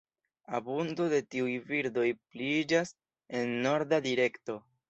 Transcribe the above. Abundo de tiuj birdoj pliiĝas en norda direkto.